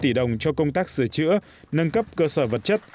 tỉ đồng cho công tác sửa chữa nâng cấp cơ sở vật chất